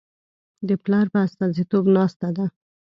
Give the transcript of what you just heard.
د پلار په استازیتوب ناسته ده.